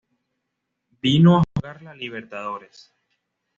Vino a jugar la Libertadores.